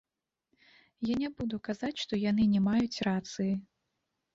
Я не буду казаць, што яны не маюць рацыі.